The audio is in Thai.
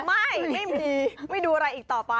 ไม่มีไม่ดูอะไรอีกต่อไป